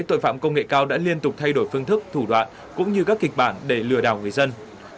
tội phạm công nghệ cao đã liên tục thay đổi phương thức thủ đoạn cũng như các kịch bản để lừa đảo người dân